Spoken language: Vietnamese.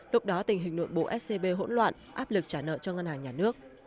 lúc đó tình hình nội bộ scb hỗn loạn áp lực trả nợ cho ngân hàng nhà nước